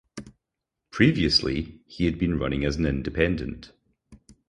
Previously, he had been running as an independent.